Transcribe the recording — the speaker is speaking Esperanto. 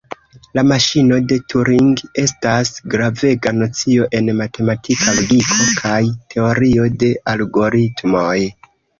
La maŝino de Turing estas gravega nocio en matematika logiko kaj teorio de algoritmoj.